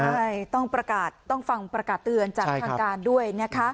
ใช่ต้องประกาศต้องฟังประกาศเตือนจากทางการด้วยนะคะ